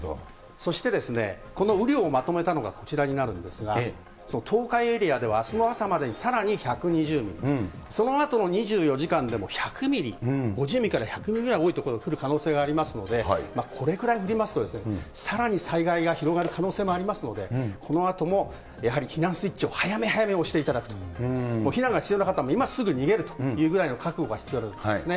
そして、この雨量をまとめたのが、こちらになるんですが、東海エリアではあすの朝までにさらに１２０ミリ、そのあとの２４時間でも１００ミリ、５０ミリから１００ミリぐらい、多い所降る可能性がありますので、これくらい降りますと、さらに災害が広がる可能性がありますので、このあともやはり避難スイッチを早め早めに押していただくと、避難が必要な方は今すぐ逃げるというぐらいの覚悟が必要だと思いますね。